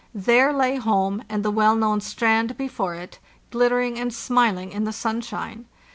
There lay home, and the well known strand before it, glittering and smiling in the sun shine.